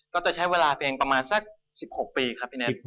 ก็จะใช้เวลาเพียงประมาณสัก๑๖ปีครับพี่แท็ก